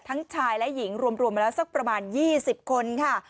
ชายและหญิงรวมมาแล้วสักประมาณ๒๐คนค่ะ